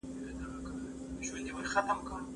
دا خبره په زړه کې ساتل کېږي.